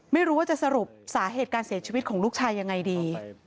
ไม่รู้ว่าจะสรุปสาเหตุการเสียชีวิตของลูกชายยังไงดี